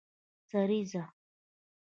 سریزه